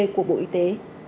của bộ y tế